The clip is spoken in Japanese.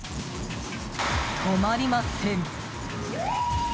止まりません。